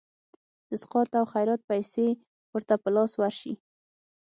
د سقاط او خیرات پیسي ورته په لاس ورشي.